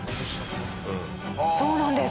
そうなんです。